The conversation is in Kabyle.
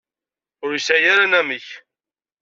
Ur yesɛi ara anamek.